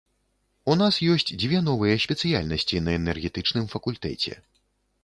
У нас ёсць дзве новыя спецыяльнасці на энергетычным факультэце.